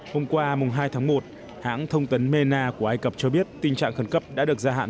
hôm qua hai tháng một hãng thông tấn mena của ai cập cho biết tình trạng khẩn cấp đã được gia hạn